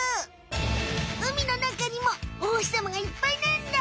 海のなかにもおほしさまがいっぱいなんだ。